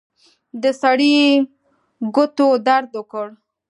د سړي ګوتو درد وکړ.